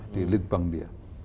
di lead bank dia